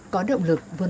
có động lực